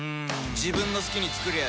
自分の好きに作りゃいい